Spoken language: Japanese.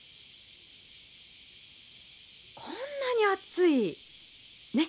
こんなに熱いねっ